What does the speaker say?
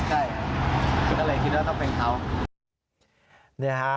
ใช่ครับก็เลยคิดว่าต้องเป็นเขา